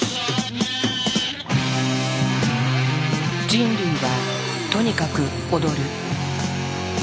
人類はとにかく踊る。